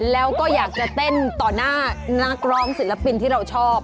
แล้วก็อยากจะเต้นต่อหน้านักร้องศิลปินที่เราชอบ